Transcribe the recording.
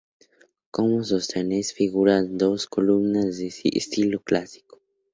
Como sostenes figuran dos columnas de estilo clásico.